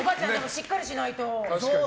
しっかりしないと。